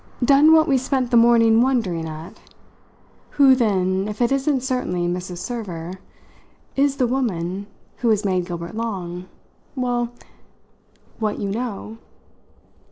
"Done what we spent the morning wondering at. Who then, if it isn't, certainly, Mrs. Server, is the woman who has made Gilbert Long well, what you know?"